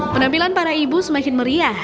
penampilan para ibu semakin meriah